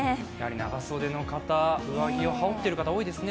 長袖の方、上着を羽織っている方が多いですね。